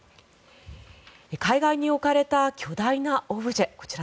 海岸に置かれた巨大なオブジェ。